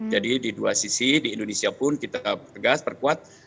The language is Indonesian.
jadi di dua sisi di indonesia pun kita tegas perkuat